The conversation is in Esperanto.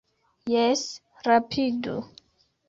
Jes, rapidu